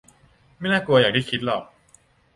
'ไม่น่ากลัวอย่างที่คิดหรอก'